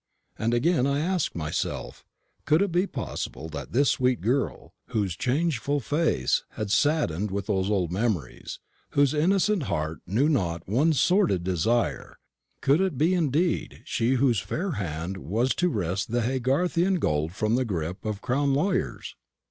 And again I asked myself, Could it be possible that this sweet girl, whose changeful face had saddened with those old memories, whose innocent heart knew not one sordid desire could it be indeed she whose fair hand was to wrest the Haygarthian gold from the grip of Crown lawyers?